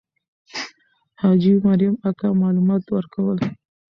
حاجي مریم اکا معلومات ورکول.